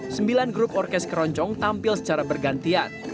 sembilan grup orkes keroncong tampil secara bergantian